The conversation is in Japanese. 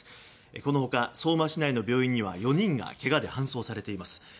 この他、相馬市内の病院には４人がけがで搬送されています。